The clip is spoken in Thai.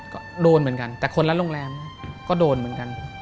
ก็โดนเหมือนกันแต่คนละโรงแรมก็โดนเหมือนกัน